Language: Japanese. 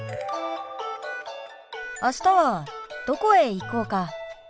あしたはどこへ行こうか？